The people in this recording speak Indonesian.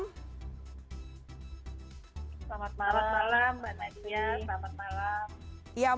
selamat malam mbak nadia selamat malam